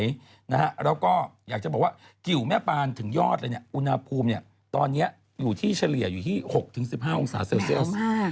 แล้วก็อยากจะบอกว่าเกี่ยวแม่ปานถึงยอดอุณหภูมิตอนนี้อยู่ที่เฉลี่ย๖๑๕องศาเซลเซียส